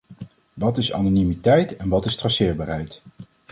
Wat is anonimiteit en wat is traceerbaarheid?